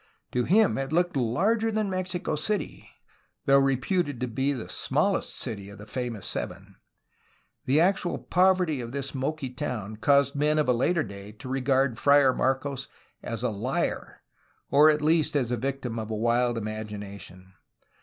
To him it looked larger than Mexico City, though reputed to be the smallest city of the famous seven. The actual poverty of this Moqui town caused men of a later day to regard Friar Marcos as a liar or at least as a victim of a wild imagina tion.